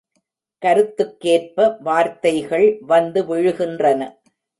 கருத்துக்கேற்ப வார்த்தைகள் வந்து விழுகின்றன.